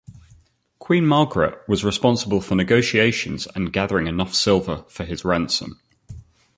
Queen Margaret was responsible for negotiations and gathering enough silver for his ransom.